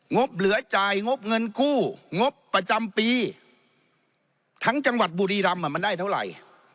บเหลือจ่ายงบเงินกู้งบประจำปีทั้งจังหวัดบุรีรำมันได้เท่าไหร่